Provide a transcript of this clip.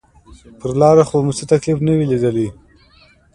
پر لاره خو به مو څه تکليف نه وي ليدلى.